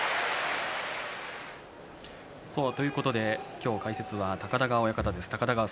今日、解説は高田川親方です。